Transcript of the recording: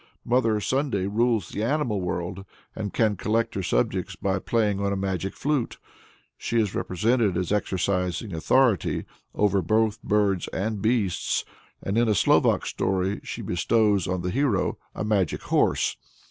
Mother Sunday rules the animal world, and can collect her subjects by playing on a magic flute. She is represented as exercising authority over both birds and beasts, and in a Slovak story she bestows on the hero a magic horse.